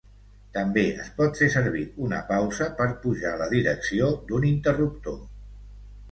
També es pot fer servir una pausa per pujar la direcció d'un interruptor.